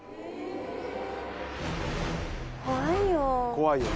怖いよ。